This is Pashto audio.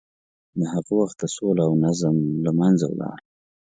له هغه وخته سوله او نظم له منځه ولاړ.